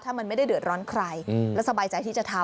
ถ้ามันไม่ได้เดือดร้อนใครแล้วสบายใจที่จะทำ